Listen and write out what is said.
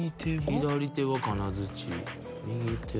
左手は金づち右手は。